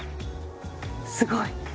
すごい。